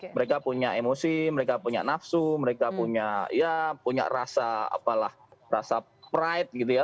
mereka punya emosi mereka punya nafsu mereka punya ya punya rasa apalah rasa pride gitu ya